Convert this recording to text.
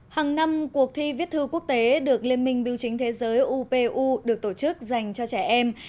hàng năm cuộc thi viết thư quốc tế được liên minh biểu chính thế giới upu được tổ chức dành cho trẻ em